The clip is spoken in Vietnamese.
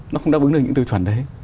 nó không đáp ứng được những tiêu chuẩn đấy